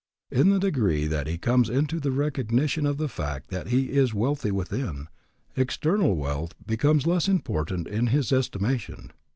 In the degree that he comes into the recognition of the fact that he is wealthy within, external wealth becomes less important in his estimation.